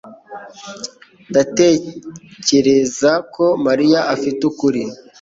ntatekereza ko Mariya afite ukuri.